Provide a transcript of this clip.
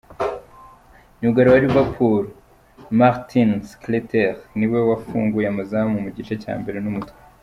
Myugariro wa Liverpool, Martin Skretel niwe wafunguye amazamu mu gice cya mbere n’umutwe.